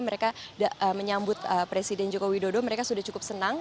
mereka menyambut presiden joko widodo mereka sudah cukup senang